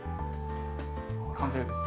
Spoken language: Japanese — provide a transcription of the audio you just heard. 完成です。